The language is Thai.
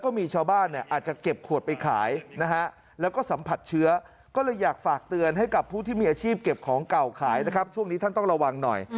ของเก่าขายนะครับช่วงนี้ท่านต้องระวังหน่อย